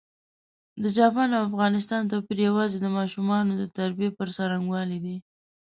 د چاپان او افغانستان توپېر یوازي د ماشومانو د تربیې پر ځرنګوالي دی.